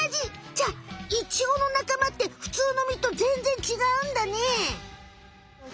じゃあイチゴのなかまってふつうの実とぜんぜんちがうんだね。